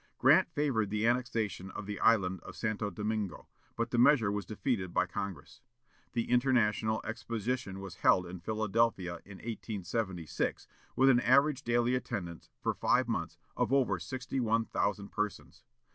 Grant favored the annexation of the island of Santo Domingo, but the measure was defeated by Congress. The International Exposition was held in Philadelphia in 1876, with an average daily attendance, for five months, of over sixty one thousand persons.